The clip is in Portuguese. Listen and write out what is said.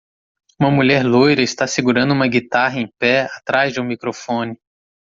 Uma mulher loira está segurando uma guitarra em pé atrás de um microfone.